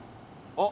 あっ！